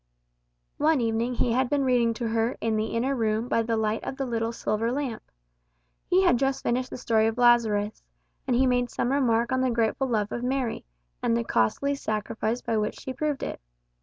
One evening he had been reading to her, in the inner room, by the light of the little silver lamp. He had just finished the story of Lazarus, and he made some remark on the grateful love of Mary, and the costly sacrifice by which she proved it.